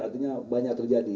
artinya banyak terjadi